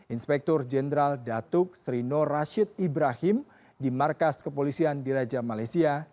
inspektur jenderal datuk serino rashid ibrahim di markas kepolisian diraja malaysia